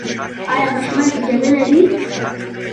ایا ماشومان اجازه لري؟